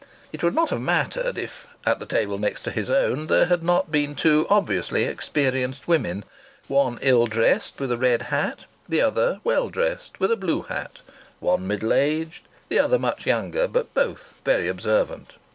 It would not have mattered if, at the table next to his own, there had not been two obviously experienced women, one ill dressed, with a red hat, the other well dressed, with a blue hat; one middle aged, the other much younger; but both very observant.